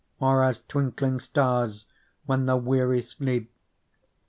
Or as twinkling stars, when the weary sleep.